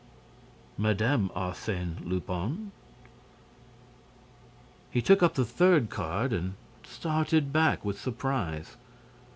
"Mme. Arsène Lupin." He took up the third card and started back with surprise.